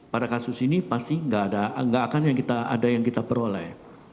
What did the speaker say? pada kasus ini pasti nggak akan ada yang kita peroleh